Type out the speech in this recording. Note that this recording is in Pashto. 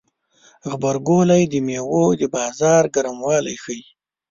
غبرګولی د میوو د بازار ګرموالی ښيي.